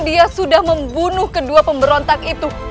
dia sudah membunuh kedua pemberontak itu